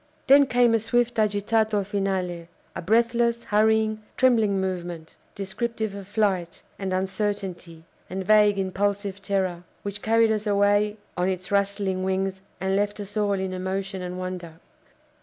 Then came a swift agitato finale a breathless, hurrying, trembling movement, descriptive of flight, and uncertainty, and vague impulsive terror, which carried us away on its rustling wings, and left us all in emotion and wonder.